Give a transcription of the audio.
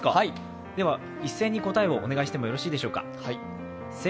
では一斉に答えをお願いしてもよろしいでしょうか？